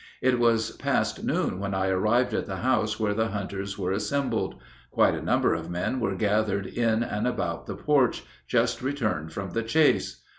It was past noon when I arrived at the house where the hunters were assembled. Quite a number of men were gathered in and about the porch, just returned from the chase.